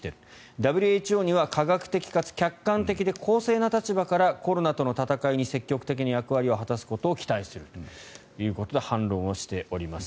ＷＨＯには科学的かつ客観的で公正な立場からコロナとの闘いに積極的な役割を果たすことを期待するということで反論しています。